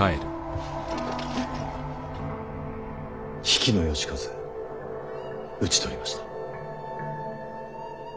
比企能員討ち取りました。